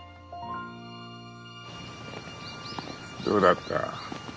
どうだった？